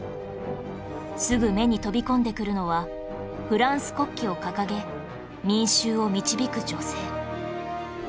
すぐ目に飛び込んでくるのはフランス国旗を掲げ民衆を導く女性